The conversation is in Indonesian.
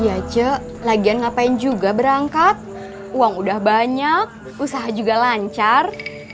di aceh lagian ngapain juga berangkat uang udah banyak usaha juga lancar